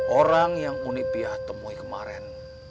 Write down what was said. orang yang uni biar temui kemaren